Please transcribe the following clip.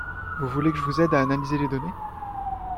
Vous voulez que je vous aide à analyser les données ?